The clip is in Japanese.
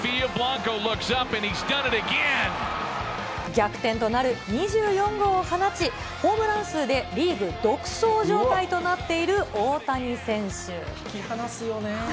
逆転となる２４号を放ち、ホームラン数でリーグ独走状態となって引き離すよね。